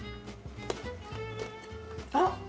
あっ！